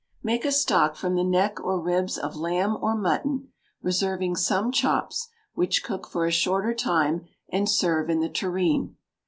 Make a stock from the neck or ribs of lamb or mutton, reserving some chops, which cook for a shorter time and serve in the tureen.